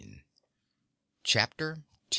CHAPTER X.